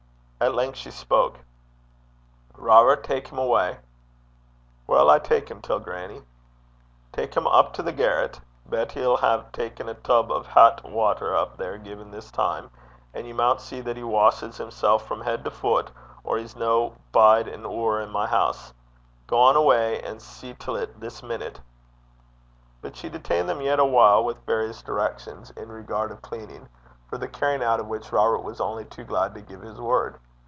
At length she spoke: 'Robert, tak him awa'.' 'Whaur'll I tak him till, grannie?' 'Tak him up to the garret. Betty 'ill ha' ta'en a tub o' het water up there 'gen this time, and ye maun see that he washes himsel' frae heid to fut, or he s' no bide an 'oor i' my hoose. Gang awa' an' see till 't this minute.' But she detained them yet awhile with various directions in regard of cleansing, for the carrying out of which Robert was only too glad to give his word.